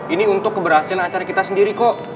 ini untuk keberhasilan acara kita sendiri kok